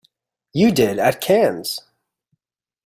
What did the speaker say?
You did at Cannes.